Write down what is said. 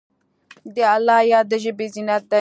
د الله یاد د ژبې زینت دی.